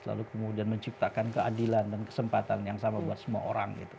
lalu kemudian menciptakan keadilan dan kesempatan yang sama buat semua orang gitu